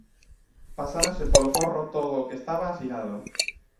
Pasáronse polo forro todo o que estaba asinado.